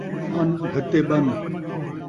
ان، گھتے ٻن